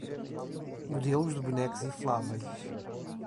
Modelos de bonecos infláveis